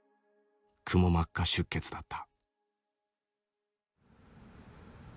くも膜下出血だった。